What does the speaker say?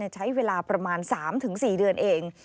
ใช้เวลาประมาณสามถึงสี่เดือนเอง